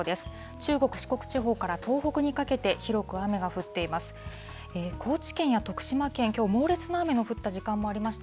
中国、四国地方から東北にかけて、広く雨が降っています。